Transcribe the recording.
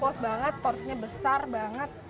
puas banget porsinya besar banget